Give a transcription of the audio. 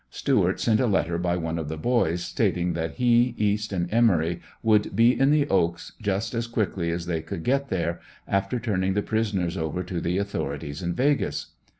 Stuart sent a letter by one of the boys, stating that he, East and Emory, would be in the "Oaks" just as quick as they could get there, after turning the prisoners over to the authorities in "Vegas."